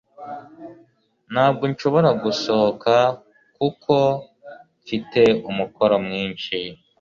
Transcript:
Ntabwo nshobora gusohoka kuko mfite umukoro mwinshi